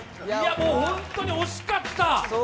もう本当に惜しかった。